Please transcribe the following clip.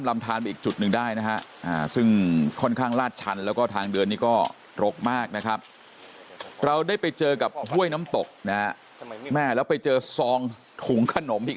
มากนะครับเราได้ไปเจอกับห้วยน้ำตกนะแม่แล้วไปเจอซองถุงขนมอีก